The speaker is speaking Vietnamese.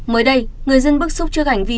mới đây người dân bức xúc trước hành vi